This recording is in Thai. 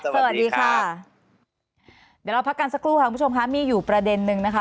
เดี๋ยวเราพักกันสักครู่ค่ะคุณผู้ชมมีอยู่ประเด็นหนึ่งนะคะ